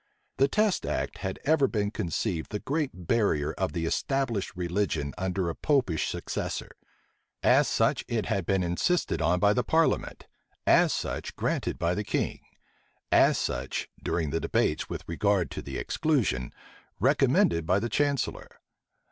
The test act had ever been conceived the great barrier of the established religion under a Popish successor: as such it had been insisted on by the parliament; as such granted by the king; as such, during the debates with regard to the exclusion, recommended by the chancellor.